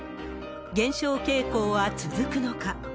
減少傾向は続くのか。